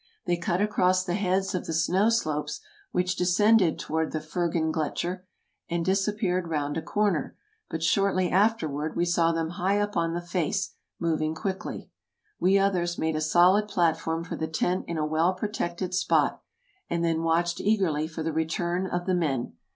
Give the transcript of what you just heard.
They cut across the heads of the snow slopes which descended toward the Furggen gletscher, and disappeared round a corner, but shortly after ward we saw them high up on the face, moving quickly. We others made a solid platform for the tent in a well protected spot, and then watched eagerly for the return of the men.